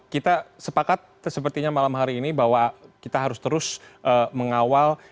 kita sepakat sepertinya malam hari ini bahwa kita harus terus mengawal